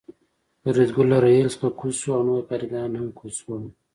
فریدګل له ریل څخه کوز شو او نور کارګران هم کوز شول